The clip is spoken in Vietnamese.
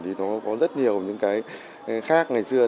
thì nó có rất nhiều những cái khác ngày xưa